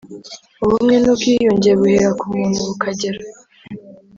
Ubumwe n ubwiyunge buhera ku muntu bukagera